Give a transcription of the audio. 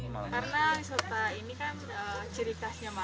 karena wisata ini kan ciri khasnya malam